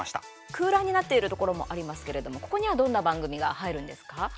空欄になっているところもありますけれども、ここにはどんな番組が入るんですか？